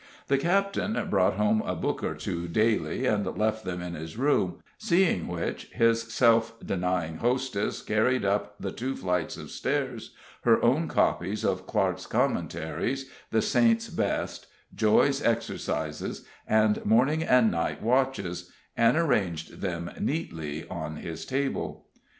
The captain brought home a book or two daily, and left them in his room, seeing which, his self denying hostess carried up the two flights of stairs her own copies of "Clarke's Commentaries," "The Saints' Best," "Joy's Exercises," and "Morning and Night Watches," and arranged them neatly on his table.